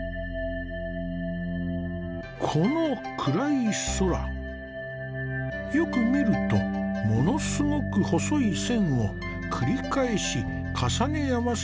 この暗い空よく見るとものすごく細い線を繰り返し重ね合わせて作り出しているんだ。